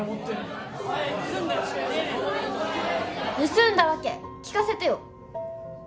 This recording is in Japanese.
盗んだ訳聞かせてよ。